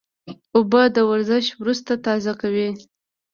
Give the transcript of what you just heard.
اوبه د ورزش وروسته تازه کوي